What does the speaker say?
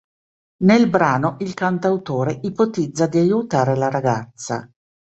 Nel brano, il cantautore ipotizza di aiutare la ragazza.